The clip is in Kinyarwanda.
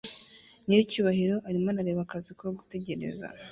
Nyiricyubahiro arimo arareba akazi ko gutegereza